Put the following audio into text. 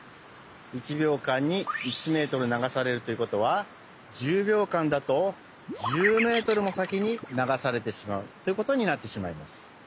１びょうかんに１メートル流されるということは１０びょうかんだと１０メートルもさきに流されてしまうということになってしまいます。